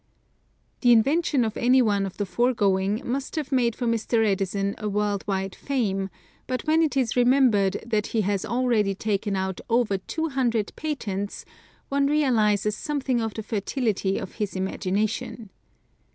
The invention of any one of the foregoing must have made for Mr. Edison a world wide fame, but when it is remembered that he has already taken out over two hundred patents, one realizes something of the fertility of his imagination.